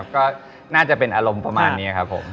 ก็น่าจะเป็นอารมณ์ประมาณนี้ครับผม